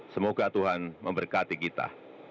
semoga tuhan memberkati kita